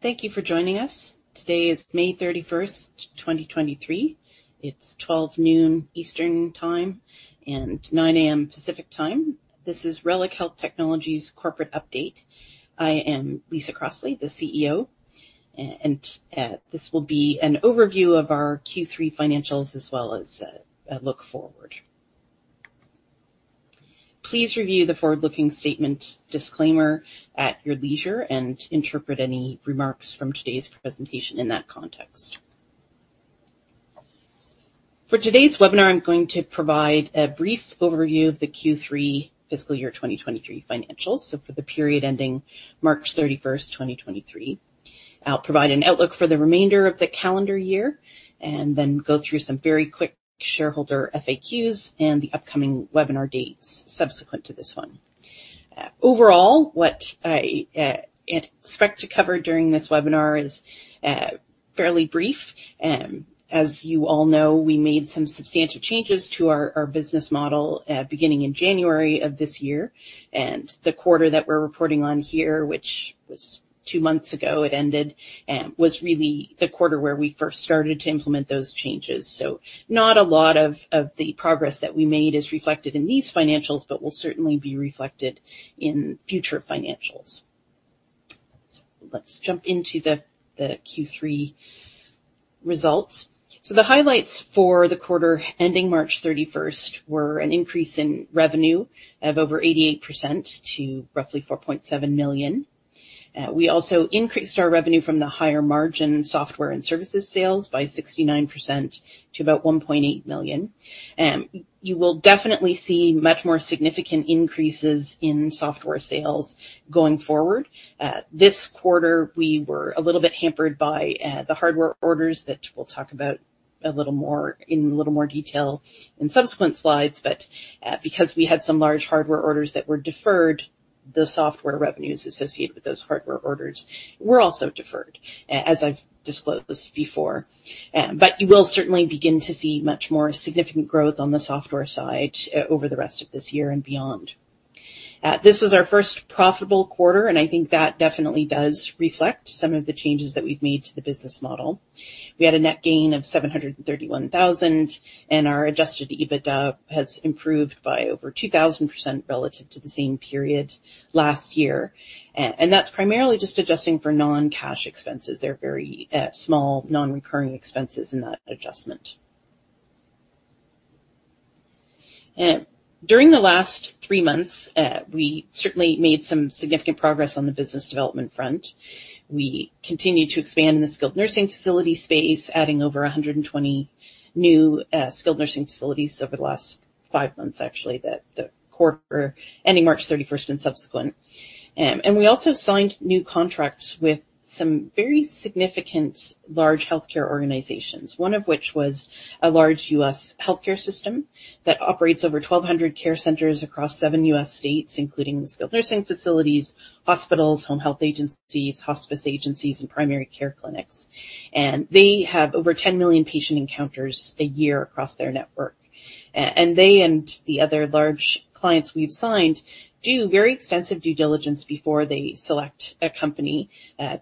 Thank you for joining us. Today is May 31st, 2023. It's 12:00 P.M. Eastern Time and 9:00 A.M. Pacific Time. This is Reliq Health Technologies corporate update. I am Lisa Crossley, the CEO, and this will be an overview of our Q3 financials as well as a look forward. Please review the forward-looking statements disclaimer at your leisure, and interpret any remarks from today's presentation in that context. For today's webinar, I'm going to provide a brief overview of the Q3 fiscal year 2023 financials, so for the period ending March 31st, 2023. I'll provide an outlook for the remainder of the calendar year and then go through some very quick shareholder FAQs and the upcoming webinar dates subsequent to this one. Overall, what I expect to cover during this webinar is fairly brief. As you all know, we made some substantial changes to our business model beginning in January of this year. The quarter that we're reporting on here, which was two months ago, it ended, was really the quarter where we first started to implement those changes. Not a lot of the progress that we made is reflected in these financials, but will certainly be reflected in future financials. Let's jump into the Q3 results. The highlights for the quarter ending March 31st were an increase in revenue of over 88% to roughly $4.7 million. We also increased our revenue from the higher margin software and services sales by 69% to about $1.8 million. You will definitely see much more significant increases in software sales going forward. This quarter, we were a little bit hampered by the hardware orders that we'll talk about a little more, in a little more detail in subsequent slides, but because we had some large hardware orders that were deferred, the software revenues associated with those hardware orders were also deferred, as I've disclosed before. You will certainly begin to see much more significant growth on the software side, over the rest of this year and beyond. This was our first profitable quarter, and I think that definitely does reflect some of the changes that we've made to the business model. We had a net gain of $731,000, and our adjusted EBITDA has improved by over 2,000% relative to the same period last year. That's primarily just adjusting for non-cash expenses. They're very small, non-recurring expenses in that adjustment. During the last three months, we certainly made some significant progress on the business development front. We continued to expand in the skilled nursing facility space, adding over 120 new skilled nursing facilities over the last five months, actually, the quarter ending March 31st and subsequent. We also signed new contracts with some very significant large healthcare organizations, one of which was a large U.S. healthcare system that operates over 1,200 care centers across seven U.S. states, including the skilled nursing facilities, hospitals, home health agencies, hospice agencies, and primary care clinics. They have over 10 million patient encounters a year across their network. They, and the other large clients we've signed, do very extensive due diligence before they select a company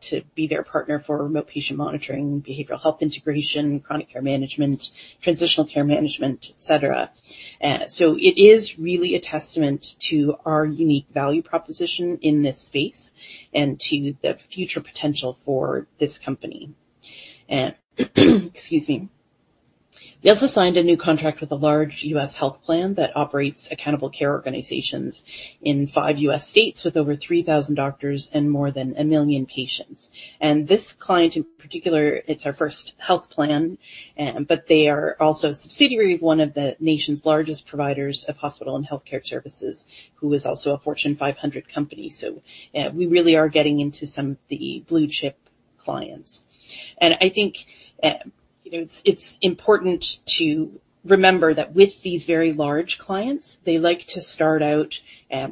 to be their partner for remote patient monitoring, behavioral health integration, chronic care management, transitional care management, et cetera. It is really a testament to our unique value proposition in this space and to the future potential for this company. Excuse me. We also signed a new contract with a large U.S. health plan that operates Accountable Care Organizations in five U.S. states, with over 3,000 doctors and more than 1 million patients. This client in particular, it's our first health plan, but they are also a subsidiary of one of the nation's largest providers of hospital and healthcare services, who is also a Fortune 500 company. We really are getting into some of the blue-chip clients. I think, you know, it's important to remember that with these very large clients, they like to start out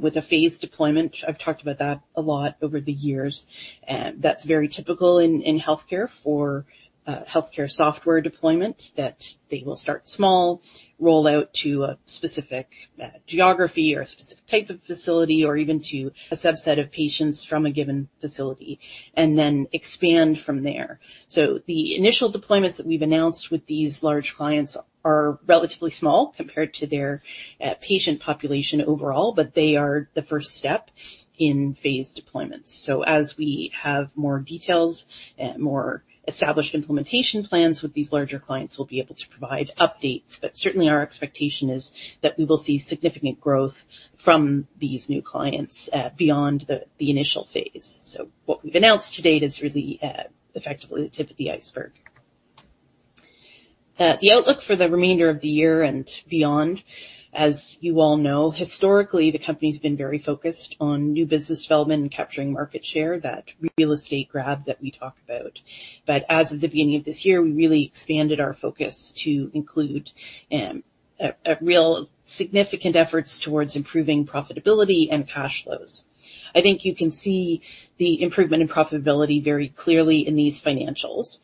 with a phased deployment. I've talked about that a lot over the years, and that's very typical in healthcare for healthcare software deployments, that they will start small, roll out to a specific geography or a specific type of facility, or even to a subset of patients from a given facility, and then expand from there. The initial deployments that we've announced with these large clients are relatively small compared to their patient population overall, but they are the first step in phased deployments. As we have more details and more established implementation plans with these larger clients, we'll be able to provide updates. Certainly, our expectation is that we will see significant growth from these new clients, beyond the initial phase. What we've announced to date is really, effectively the tip of the iceberg. The outlook for the remainder of the year and beyond as you all know, historically, the company's been very focused on new business development and capturing market share, that real estate grab that we talked about. As of the beginning of this year, we really expanded our focus to include a real significant efforts towards improving profitability and cash flows. I think you can see the improvement in profitability very clearly in these financials.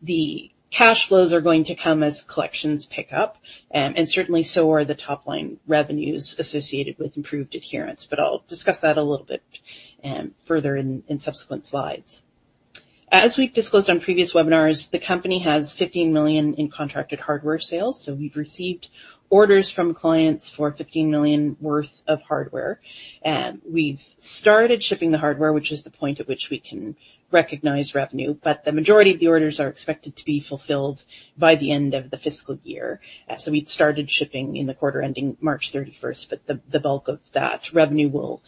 The cash flows are going to come as collections pick up, and certainly so are the top-line revenues associated with improved adherence. I'll discuss that a little bit further in subsequent slides. As we've disclosed on previous webinars, the company has $15 million in contracted hardware sales, so we've received orders from clients for $15 million worth of hardware. We've started shipping the hardware, which is the point at which we can recognize revenue, but the majority of the orders are expected to be fulfilled by the end of the fiscal year. We started shipping in the quarter ending March 31st, but the bulk of that revenue will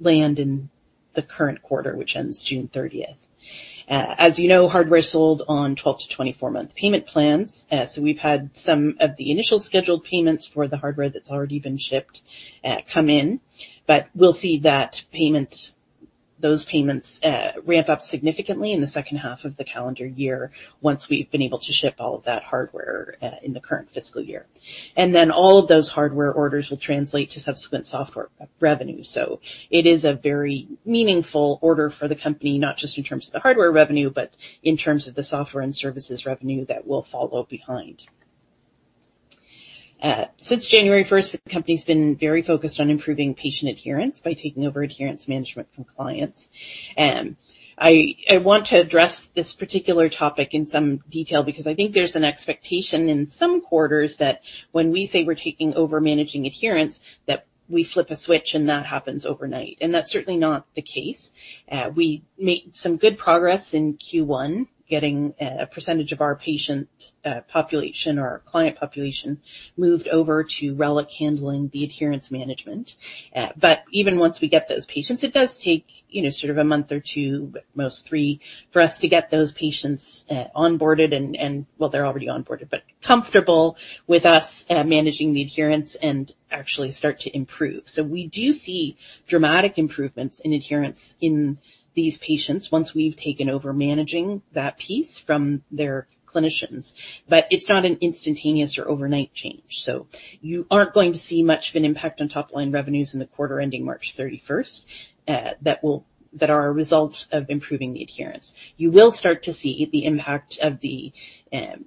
land in the current quarter, which ends June 30th. As you know, hardware is sold on 12-24 month payment plans. We've had some of the initial scheduled payments for the hardware that's already been shipped, come in, but we'll see that those payments ramp up significantly in the second half of the calendar year, once we've been able to ship all of that hardware in the current fiscal year. All of those hardware orders will translate to subsequent software revenue. It is a very meaningful order for the company, not just in terms of the hardware revenue, but in terms of the software and services revenue that will follow behind. Since January 1st, the company's been very focused on improving patient adherence by taking over adherence management from clients. I want to address this particular topic in some detail because I think there's an expectation in some quarters that when we say we're taking over managing adherence, that we flip a switch and that happens overnight, and that's certainly not the case. We made some good progress in Q1, getting a percentage of our patient population or our client population moved over to Reliq, handling the adherence management. But even once we get those patients, it does take sort of a month or two, at most three, for us to get those patients onboarded and, well, they're already onboarded, but comfortable with us managing the adherence and actually start to improve. We do see dramatic improvements in adherence in these patients once we've taken over managing that piece from their clinicians. It's not an instantaneous or overnight change, so you aren't going to see much of an impact on top-line revenues in the quarter ending March 31st, that are a result of improving the adherence. You will start to see the impact of the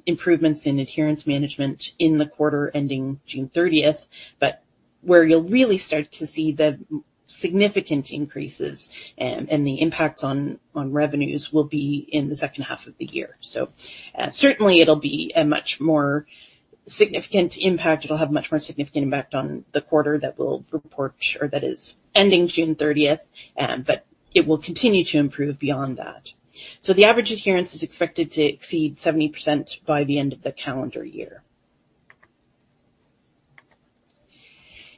improvements in adherence management in the quarter ending June 30th, but where you'll really start to see the significant increases and the impacts on revenues will be in the second half of the year. Certainly it'll be a much more significant impact. It'll have a much more significant impact on the quarter that we'll report or that is ending June 30th, but it will continue to improve beyond that. The average adherence is expected to exceed 70% by the end of the calendar year.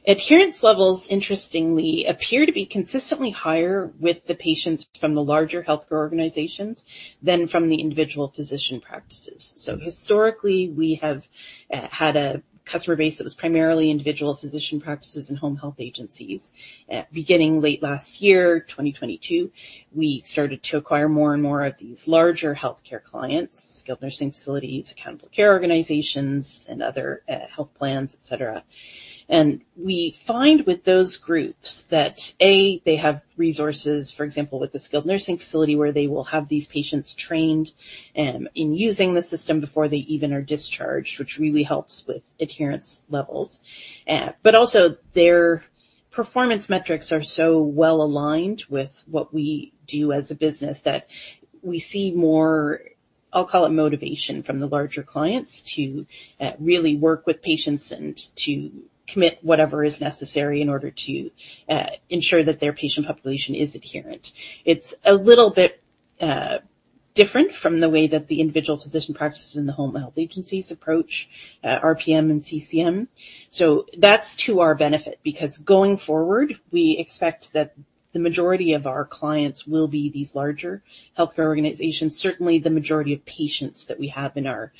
Adherence levels interestingly, appear to be consistently higher with the patients from the larger healthcare organizations than from the individual physician practices. Historically, we have had a customer base that was primarily individual physician practices and home health agencies. Beginning late last year, 2022, we started to acquire more and more of these larger healthcare clients, skilled nursing facilities, Accountable Care Organizations, and other health plans, et cetera. We find with those groups that, A, they have resources, for example, with the skilled nursing facility, where they will have these patients trained in using the system before they even are discharged, which really helps with adherence levels. But also their performance metrics are so well aligned with what we do as a business, that we see more, I'll call it motivation, from the larger clients to really work with patients and to commit whatever is necessary in order to ensure that their patient population is adherent. It's a little bit different from the way that the individual physician practices in the home health agencies approach RPM and CCM. That's to our benefit, because going forward, we expect that the majority of our clients will be these larger healthcare organizations. Certainly, the majority of patients that we have in our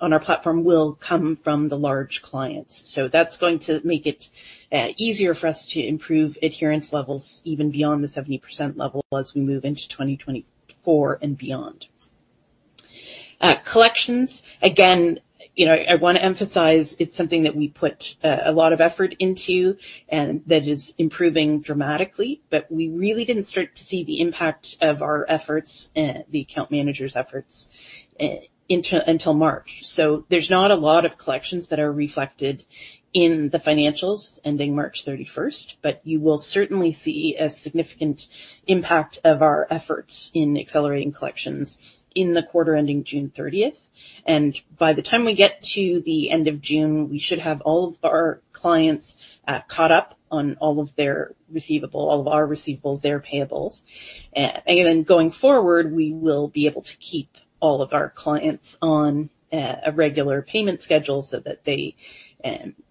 on our platform will come from the large clients. That's going to make it easier for us to improve adherence levels even beyond the 70% level as we move into 2024 and beyond. Collections, again, you know, I want to emphasize it's something that we put a lot of effort into and that is improving dramatically, but we really didn't start to see the impact of our efforts, the account managers' efforts, until March. There's not a lot of collections that are reflected in the financials ending March 31st, but you will certainly see a significant impact of our efforts in accelerating collections in the quarter ending June 30th. By the time we get to the end of June, we should have all of our clients caught up on all of their receivable, all of our receivables, their payables. Going forward, we will be able to keep all of our clients on a regular payment schedule so that they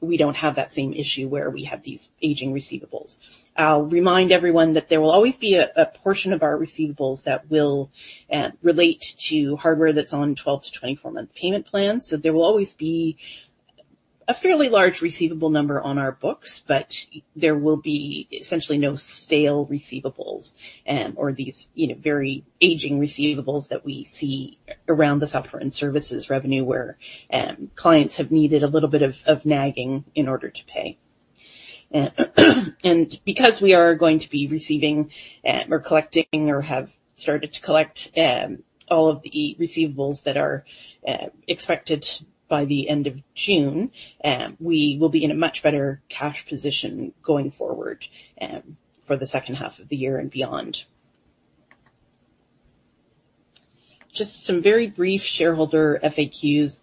we don't have that same issue where we have these aging receivables. I'll remind everyone that there will always be a portion of our receivables that will relate to hardware that's on 12-24-month payment plans. There will always be a fairly large receivable number on our books, but there will be essentially no stale receivables, or these, you know, very aging receivables that we see around the software and services revenue, where clients have needed a little bit of nagging in order to pay. Because we are going to be receiving, or collecting or have started to collect, all of the receivables that are expected by the end of June, we will be in a much better cash position going forward for the second half of the year and beyond. Just some very brief shareholder FAQs.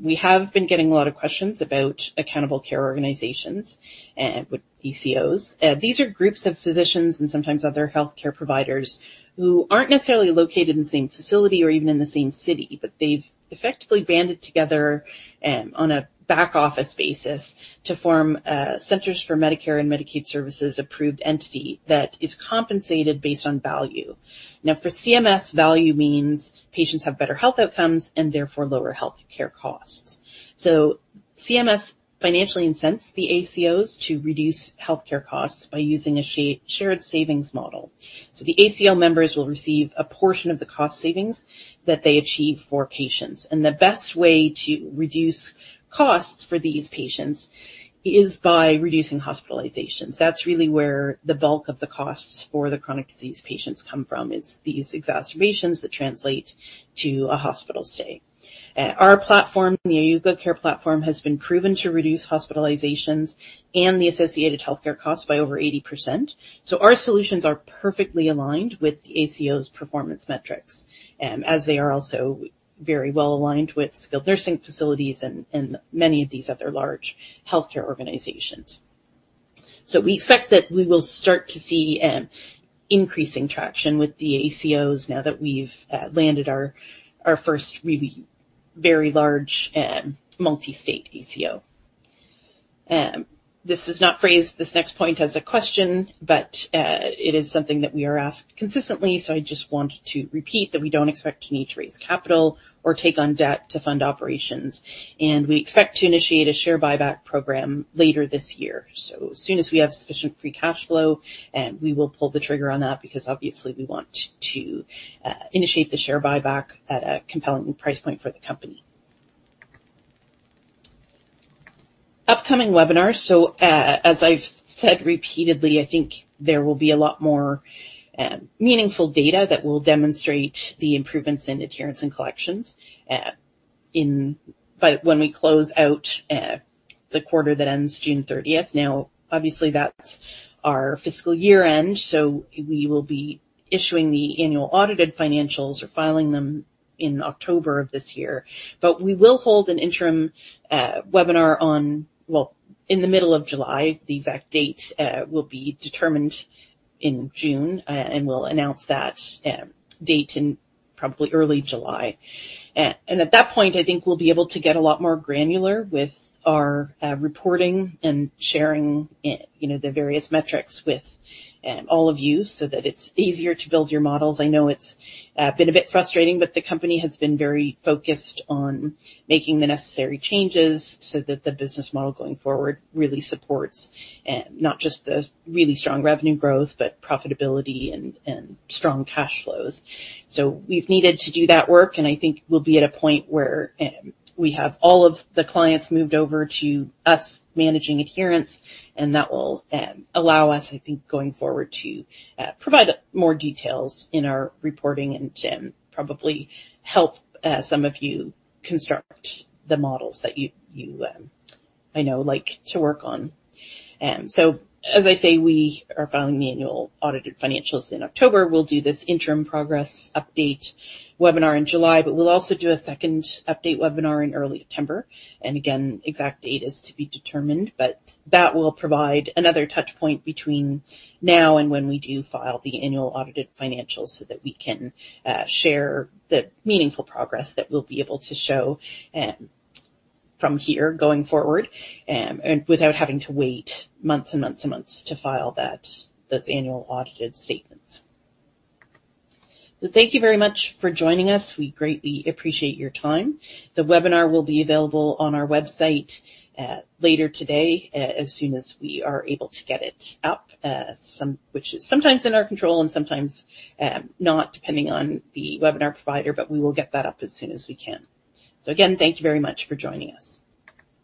We have been getting a lot of questions about Accountable Care Organizations and with ACOs. These are groups of physicians and sometimes other healthcare providers who aren't necessarily located in the same facility or even in the same city, but they've effectively banded together on a back-office basis to form Centers for Medicare and Medicaid Services approved entity that is compensated based on value. For CMS, value means patients have better health outcomes and therefore lower healthcare costs. CMS financially incense the ACOs to reduce healthcare costs by using a shared savings model. The ACO members will receive a portion of the cost savings that they achieve for patients. The best way to reduce costs for these patients is by reducing hospitalizations. That's really where the bulk of the costs for the chronic disease patients come from, is these exacerbations that translate to a hospital stay. Our platform, the iUGO Care platform, has been proven to reduce hospitalizations and the associated healthcare costs by over 80%. Our solutions are perfectly aligned with the ACOs performance metrics, as they are also very well aligned with skilled nursing facilities and many of these other large healthcare organizations. We expect that we will start to see increasing traction with the ACOs now that we've landed our first really very large multi-state ACO. This is not phrased, this next point, as a question, but it is something that we are asked consistently, so I just want to repeat that we don't expect to need to raise capital or take on debt to fund operations. We expect to initiate a share buyback program later this year. As soon as we have sufficient free cash flow, we will pull the trigger on that, because obviously we want to initiate the share buyback at a compelling price point for the company. Upcoming webinars. As I've said repeatedly, I think there will be a lot more meaningful data that will demonstrate the improvements in adherence and collections, but when we close out the quarter that ends June 30th. Obviously, that's our fiscal year-end, so we will be issuing the annual audited financials or filing them in October of this year. We will hold an interim webinar in the middle of July. The exact date will be determined in June, and we'll announce that date in probably early July. At that point, I think we'll be able to get a lot more granular with our reporting and sharing, you know, the various metrics with all of you so that it's easier to build your models. I know it's been a bit frustrating, but the company has been very focused on making the necessary changes so that the business model going forward really supports, not just the really strong revenue growth, but profitability and strong cash flows. We've needed to do that work, and I think we'll be at a point where we have all of the clients moved over to us managing adherence, and that will allow us, I think, going forward, to provide more details in our reporting and to probably help some of you construct the models that you I know, like to work on. As I say, we are filing the annual audited financials in October. We'll do this interim progress update webinar in July, but we'll also do a second update webinar in early September. Again, exact date is to be determined, but that will provide another touch point between now and when we do file the annual audited financials, so that we can share the meaningful progress that we'll be able to show from here going forward, and without having to wait months and months and months to file that, those annual audited statements. Thank you very much for joining us. We greatly appreciate your time. The webinar will be available on our website later today, as soon as we are able to get it up, some, which is sometimes in our control and sometimes not, depending on the webinar provider, but we will get that up as soon as we can. Again, thank you very much for joining us.